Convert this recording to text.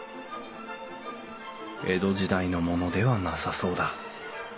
江戸時代のものではなさそうだ。